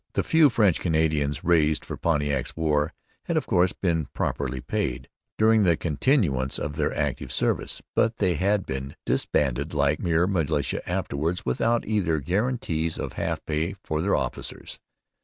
The few French Canadians raised for Pontiac's war had of course been properly paid during the continuance of their active service. But they had been disbanded like mere militia afterwards, without either gratuities or half pay for the officers.